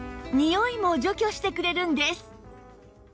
ニオイも除去してくれるんです